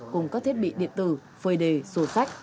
cùng các thiết bị điện tử phơi đề sổ sách